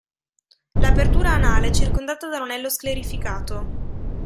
L'apertura anale è circondata da un anello sclerificato.